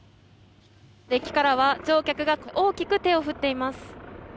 デッキからは乗客が大きく手を振っています。